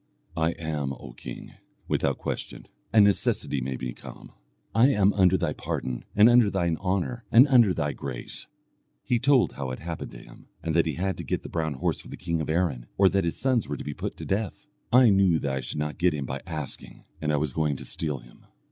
"I am, O king, without question, and necessity made me come. I am under thy pardon, and under thine honour, and under thy grace." He told how it happened to him, and that he had to get the brown horse for the king of Erin, or that his sons were to be put to death. "I knew that I should not get him by asking, and I was going to steal him."